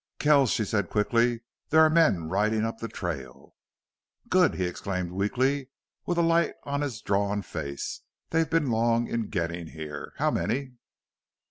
"Kells," she said, quickly, "there are men riding up the trail." "Good," he exclaimed, weakly, with a light on his drawn face. "They've been long in getting here. How many?"